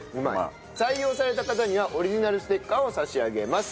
採用された方にはオリジナルステッカーを差し上げます。